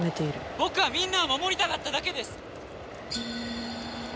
僕はみんなを守りたかっただけです！